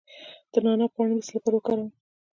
د نعناع پاڼې د څه لپاره وکاروم؟